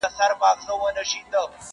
کرښه د باندي ایستلې چا ده٫